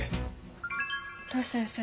トシ先生。